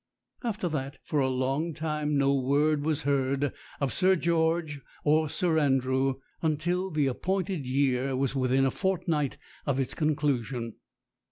After that for a long time no word was heard of Sir George or Sir Andrew, until the appointed year was within a fortnight of its conclusion.